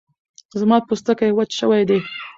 زما پوستکی وچ شوی دی